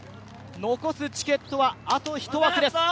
残すチケットはあと１枠です。